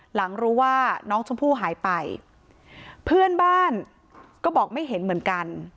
หลังรู้ว่าน้องชมพู่หายไปเพื่อนบ้านก็บอกไม่เห็นเหมือนกัน